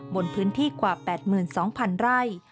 บนพื้นที่กว่า๘๒๐๐๐ไร่